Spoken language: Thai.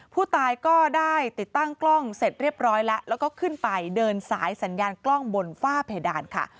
ผู้ตายก็ได้ติดตั้งกล้องเสร็จเรียบร้อยแล้วแล้วก็ขึ้นไปเดินสายสัญญาณกล้องบนฝ้าเพดานค่ะ